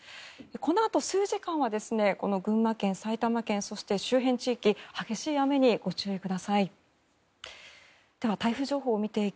このあと数時間は群馬県、埼玉県そして周辺地域激しい雨にご注意ください。